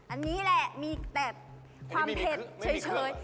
อันนี้แหละเราก็แบบความเผ็ดเฉย